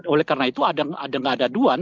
oleh karena itu ada nggak ada aduan